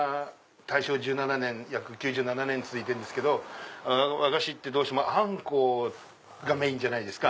大正１７年約９７年続いてるんですけど和菓子ってどうしてもあんこがメインじゃないですか。